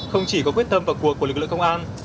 không chỉ có quyết tâm vào cuộc của lực lượng công an